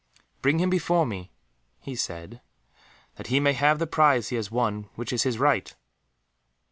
"Bring him before me," he said, "that he may have the prize he has won, which is his right."